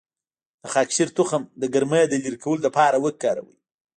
د خاکشیر تخم د ګرمۍ د لرې کولو لپاره وکاروئ